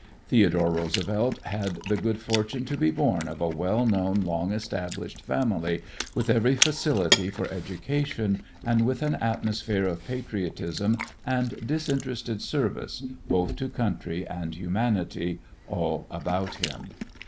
Theodore Roosevelt had the good fortune to be born of a well known, long established family, with every facility for education and with an atmosphere of patriotism and disinterested service both to country and humanity all about him.